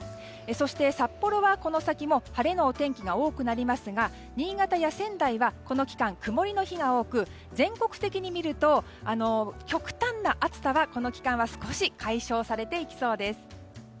そして札幌は、この先も晴れのお天気が多くなりますが新潟や仙台はこの期間曇りの日が多く全国的にみると極端な暑さはこの期間は少し解消されていきそうです。